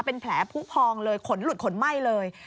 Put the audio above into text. เป็นแผลผู้พองเลยขนหลุดขนไหม้เลย